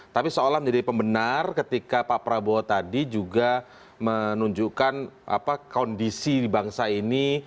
tapi seolah menjadi pembenar ketika pak prabowo tadi juga menunjukkan kondisi di bangsa ini